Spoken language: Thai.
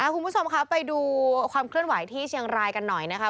คุณผู้ชมครับไปดูความเคลื่อนไหวที่เชียงรายกันหน่อยนะคะ